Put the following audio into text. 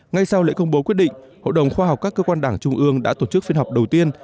ngay sau lễ công bố quyết định hội đồng khoa học các cơ quan đảng trung ương đã tổ chức phiên họp đầu tiên